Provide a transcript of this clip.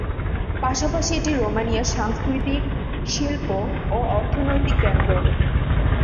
পাশাপাশি এটি রোমানিয়ার সাংস্কৃতিক, শিল্প ও অর্থনৈতিক কেন্দ্র।